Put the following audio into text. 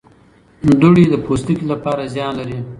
دوړې د پوستکي لپاره زیان لري.